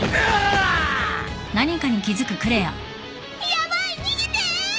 ヤバい逃げて！